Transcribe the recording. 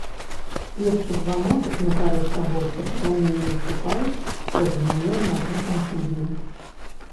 Першы званочак на карысць таго, што перамены наступаюць, празвінеў на гэтым тыдні.